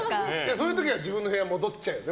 そういう時は自分の部屋戻っちゃうよね。